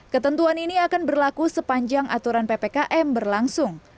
ketentuan ini akan berlaku sepanjang aturan ppkm berlangsung